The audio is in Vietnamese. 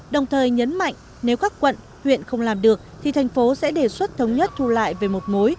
đồng thời nhấn mạnh nếu các quận huyện không làm được thì thành phố sẽ đề xuất thống nhất thu lại về một mối